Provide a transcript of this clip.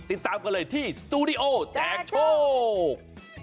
ติดตามกันเลยที่สตูดิโอแจกโชค